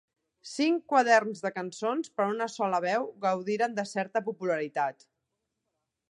Cinc quaderns de cançons per a una sola veu gaudiren de certa popularitat.